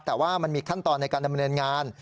แต่ว่ามันมีขั้นตอนในการดำเนินงาน